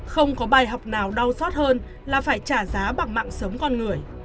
không có bài học nào đau xót hơn là phải trả giá bằng mạng sống con người